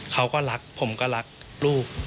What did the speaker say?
เขาก็รักผมก็รักลูก